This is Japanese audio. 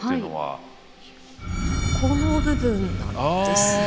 この部分なんですね。